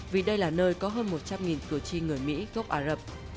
vì đây là nơi có hơn một trăm linh cử tri người mỹ gốc ả rập